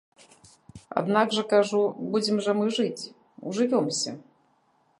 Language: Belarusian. Аднак жа, кажу, будзем жа мы жыць, ужывёмся.